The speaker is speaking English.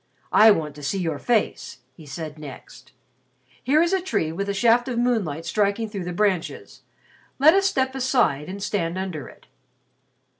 "I want to see your face," he said next. "Here is a tree with a shaft of moonlight striking through the branches. Let us step aside and stand under it."